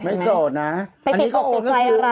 ไม่โสดนะบวยติดหากติดใจอะไร